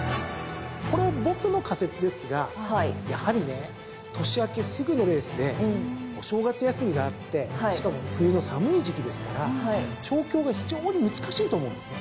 これは僕の仮説ですがやはりね年明けすぐのレースでお正月休みがあってしかも冬の寒い時季ですから調教が非常に難しいと思うんですね。